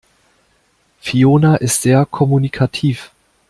Fiona ist sehr kommunikativ.